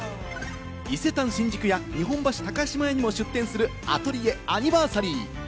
伊勢丹新宿や日本橋高島屋にも出店するアトリエアニバーサリー。